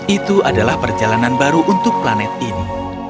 itu adalah perjalanan baru untuk planet ini